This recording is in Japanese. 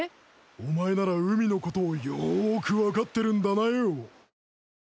お前なら海のことをよーく分かってるんだなよ。